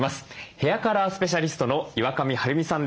ヘアカラースペシャリストの岩上晴美さんです。